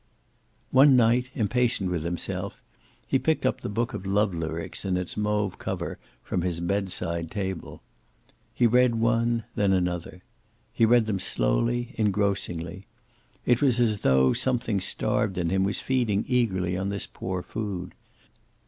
One night, impatient with himself, he picked up the book of love lyrics in its mauve cover, from his bedside table. He read one, then another. He read them slowly, engrossingly. It was as though something starved in him was feeding eagerly on this poor food.